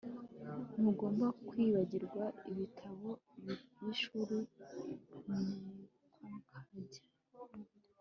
Ntugomba kwibagirwa ibitabo byishuri NekoKanjya